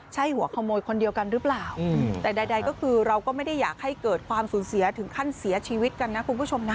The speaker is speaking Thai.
ใช่หัวขโมยคนเดียวกันหรือเปล่าแต่ใดก็คือเราก็ไม่ได้อยากให้เกิดความสูญเสียถึงขั้นเสียชีวิตกันนะคุณผู้ชมนะ